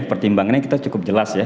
pertimbangannya kita cukup jelas ya